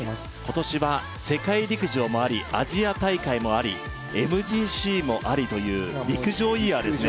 今年は世界陸上もありアジア大会もありＭＧＣもありという陸上イヤーですね